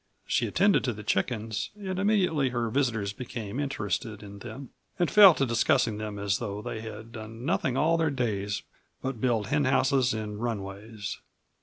She attended to the chickens and immediately her visitors became interested in them and fell to discussing them as though they had done nothing all their days but build hen houses and runways.